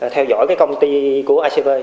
theo dõi cái công ty của icp